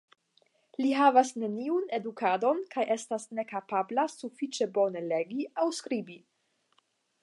Li havas neniun edukadon kaj estas nekapabla sufiĉe bone legi aŭ skribi.